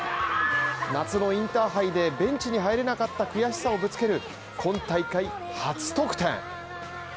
夏のインターハイでベンチに入れなかった悔しさをぶつける今大会初得点。